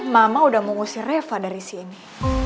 mama udah mau ngusir reva dari sini